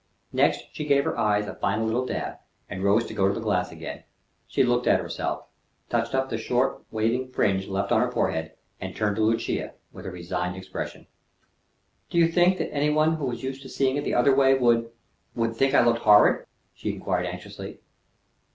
Next she gave her eyes a final little dab, and rose to go to the glass again. She looked at herself, touched up the short, waving fringe left on her forehead, and turned to Lucia, with a resigned expression. "Do you think that any one who was used to seeing it the other way would would think I looked horrid?" she inquired anxiously.